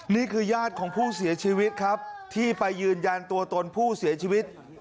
นี่คือญาติของผู้เสียชีวิตครับที่ไปยืนยันตัวตนผู้เสียชีวิต